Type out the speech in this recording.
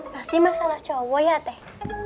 pasti masalah cowok ya teh